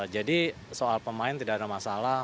jadi soal pemain tidak ada masalah